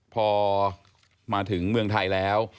พอมาถึงเมืองไทยแล้ว